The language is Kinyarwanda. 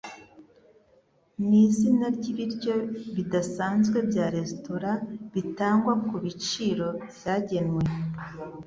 Nizina ryibiryo bidasanzwe bya resitora bitangwa kubiciro byagenwe